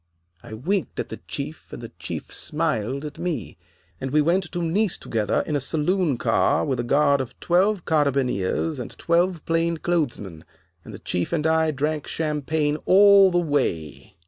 "I winked at the Chief and the Chief smiled at me, and we went to Nice together in a saloon car with a guard of twelve carabineers and twelve plain clothes men, and the Chief and I drank champagne all the way.